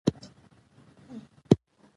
لوستې میندې د ماشومانو د جامو بدلون پر وخت کوي.